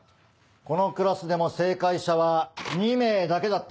このクラスでも正解者は２名だけだった。